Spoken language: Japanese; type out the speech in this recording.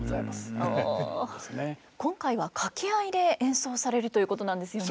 今回は掛合で演奏されるということなんですよね。